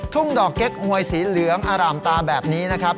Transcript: ทุ่งดอกเก๊กหวยสีเหลืองอร่ามตาแบบนี้นะครับ